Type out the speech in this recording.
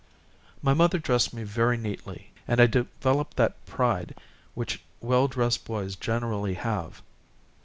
My mother dressed me very neatly, and I developed that pride which well dressed boys generally have.